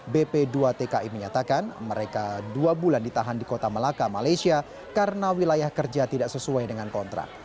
bp dua tki menyatakan mereka dua bulan ditahan di kota melaka malaysia karena wilayah kerja tidak sesuai dengan kontrak